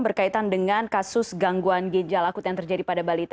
berkaitan dengan kasus gangguan ginjal akut yang terjadi pada balita